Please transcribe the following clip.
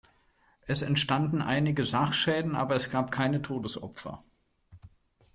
Es entstanden einige Sachschäden, aber es gab keine Todesopfer.